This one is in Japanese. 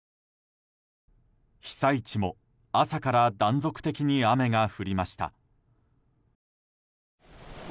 被災地も朝から断続的に雨が降りました。